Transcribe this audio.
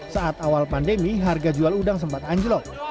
saat awal pandemi harga jual udang sempat anjlok